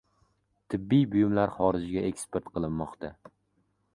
Tibbiy buyumlar xorijga eksport qilinmoqda